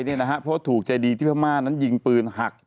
เพราะถูกใจดีที่พม่านั้นยิงปืนหัก